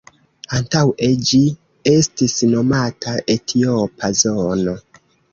Antaŭe ĝi estis nomata Etiopa zono.